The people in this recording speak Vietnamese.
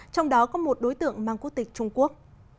trong đó có một đối tượng mang quốc tịch trung quốc